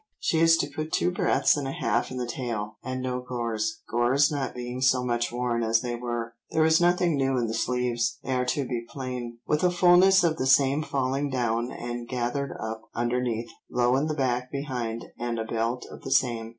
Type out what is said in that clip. She is to put two breadths and a half in the tail, and no gores—gores not being so much worn as they were. There is nothing new in the sleeves; they are to be plain, with a fulness of the same falling down and gathered up underneath. Low in the back behind, and a belt of the same."